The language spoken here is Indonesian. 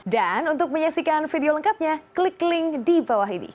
dan untuk menyaksikan video lengkapnya klik link di bawah ini